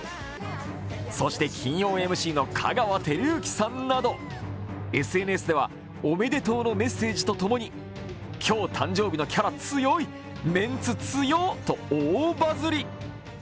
そして金曜ＭＣの香川照之さんなどＳＮＳでは、おめでとうのメッセージと共に、今日誕生日のキャラ強い、メンツ強っと大バズり。